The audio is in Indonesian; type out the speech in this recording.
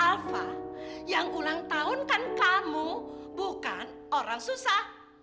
alfa yang ulang tahun kan kamu bukan orang susah